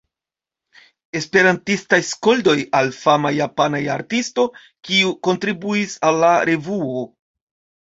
Esperantistaj skoldoj al fama japana artisto, kiu kontribuis al la revuo.